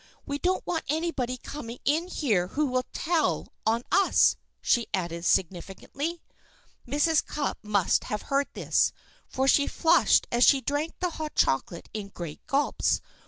"We don't want anybody coming in here who will tell on us," she added significantly. Mrs. Cupp must have heard this, for she flushed as she drank the hot chocolate in great gulps.